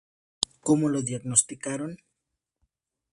Cómo lo diagnosticaron?